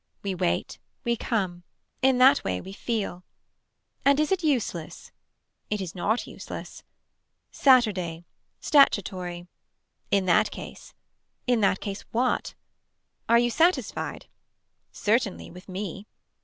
We wait. We come. In that way we feel. And is it useless It is not useless Saturday. Statuatory. In that case. In that case what. Are you satisfied. Certainly with me.